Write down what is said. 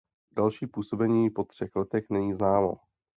Další působení po třech letech není známo.